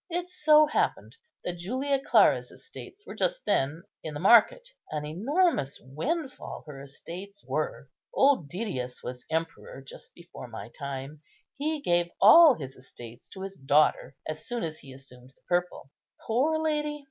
It so happened that Julia Clara's estates were just then in the market. An enormous windfall her estates were. Old Didius was emperor just before my time; he gave all his estates to his daughter as soon as he assumed the purple. Poor lady!